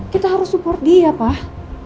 kita harus support dia pak